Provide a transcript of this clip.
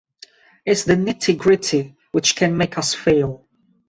It's the nitty-gritty which can make us fail.